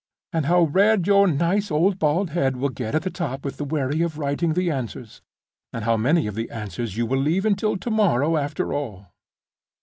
and how red your nice old bald head will get at the top with the worry of writing the answers; and how many of the answers you will leave until tomorrow after all!